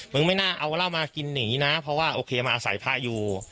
มึงไม่น่าเอาเหล้ามากินหนีนะเพราะว่าโอเคมาใส่ผ้าอยู่